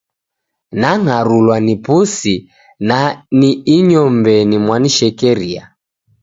Nang'arulwa ni pusi, na ni inyow'eni mwanishekeria.